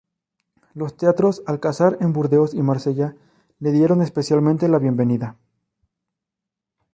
Los teatros Alcazar en Burdeos y Marsella le dieron especialmente la bienvenida.